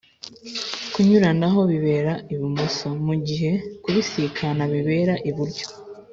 kunyuranaho bibera ibumoso, mugihe kubisikana bibera iburyo